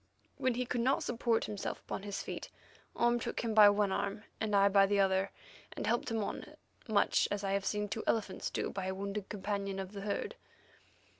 When he could not support himself upon his feet, Orme took him by one arm, and I by the other, and helped him on, much as I have seen two elephants do by a wounded companion of the herd.